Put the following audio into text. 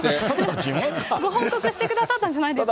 ご報告してくださったんじゃないですか。